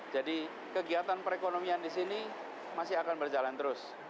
jadi kegiatan perekonomian di sini masih akan berjalan terus